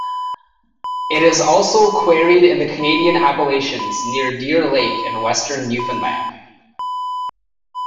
It is also quarried in the Canadian Appalachians near Deer Lake in Western Newfoundland.